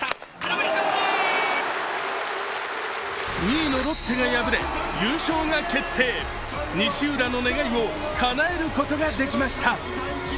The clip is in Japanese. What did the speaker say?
２位のロッテが敗れ、優勝が決定西浦の願いを叶えることができました。